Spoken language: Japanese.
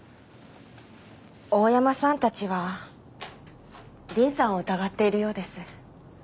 大山さんたちは凛さんを疑っているようです。